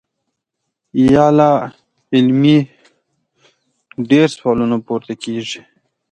يا لا علمۍ ډېر سوالونه پورته کيږي -